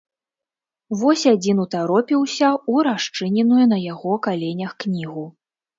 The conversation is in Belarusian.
Вось адзін утаропіўся ў расчыненую на яго каленях кнігу.